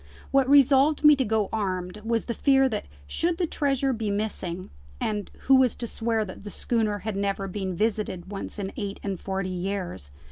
What resolved me to go armed was the fear that should the treasure be missing and who was to swear that the schooner had never been visited once in eight and forty years?